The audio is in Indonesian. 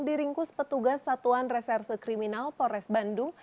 diringkus petugas satuan reserse kriminal polres bandung